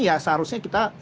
ya seharusnya kita